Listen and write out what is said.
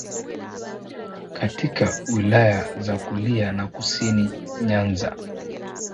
katika Wilaya za Kulia na kusini Nyanza